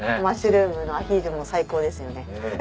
マッシュルームのアヒージョも最高ですよね。